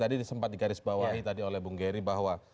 tadi sempat di garis bawahi tadi oleh bung gerry bahwa